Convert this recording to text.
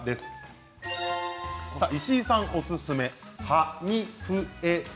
石井さん、おすすめの「はにふえろ」